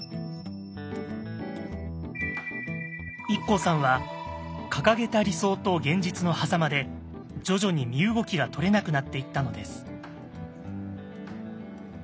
ＩＫＫＯさんは掲げた理想と現実のはざまで徐々に身動きがとれなくなっていったのです。